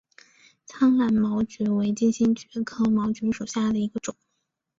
苍南毛蕨为金星蕨科毛蕨属下的一个种。